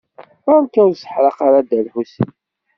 Beṛka ur sseḥraq ara Dda Lḥusin.